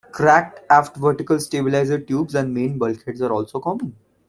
Cracked aft vertical stabilizer tubes and main bulkheads are also common.